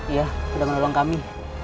iya sudah menolong kami